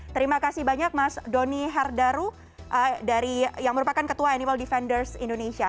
terima kasih banyak mas doni hardaru yang merupakan ketua animal defenders indonesia